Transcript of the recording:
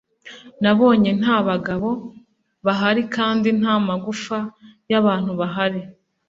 Nabonye nta bagabo bahari kandi nta magufa yabantu bahari